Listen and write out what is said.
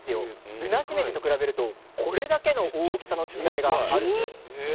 ブナシメジと比べるとこれだけの大きさの違いがあります。